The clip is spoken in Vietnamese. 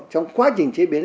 trong quá trình chế biến